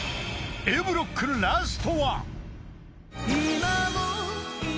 ［Ａブロックラストは］